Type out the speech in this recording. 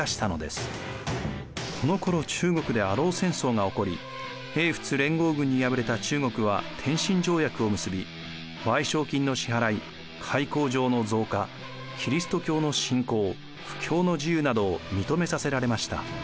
このころ中国でアロー戦争が起こり英仏連合軍に敗れた中国は天津条約を結び賠償金の支払い開港場の増加キリスト教の信仰布教の自由などを認めさせられました。